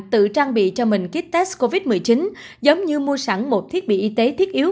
tự trang bị cho mình kích test covid một mươi chín giống như mua sẵn một thiết bị y tế thiết yếu